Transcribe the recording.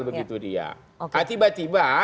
begitu dia tiba tiba